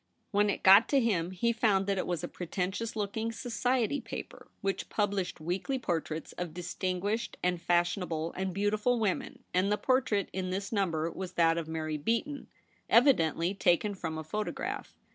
When it got to him he found that it was a pretentious looking * society paper,' which published weekly portraits of distinguished and fashion able and beautiful women; and the portrait in this number was that of Mar)' Beaton, evidently taken from a photograph.